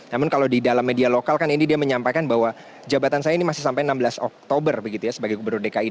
namun kalau di dalam media lokal kan ini dia menyampaikan bahwa jabatan saya ini masih sampai enam belas oktober begitu ya sebagai gubernur dki